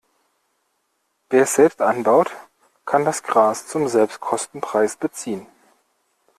Wer es selbst anbaut, kann das Gras zum Selbstkostenpreis beziehen.